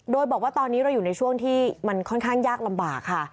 โดยบอกว่าตอนนี้เราอยู่ในช่วงที่มันค่อนข้างยากลำบากค่ะ